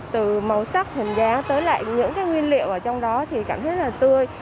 từ màu sắc hình dáng tới lại những nguyên liệu ở trong đó thì cảm thấy là tươi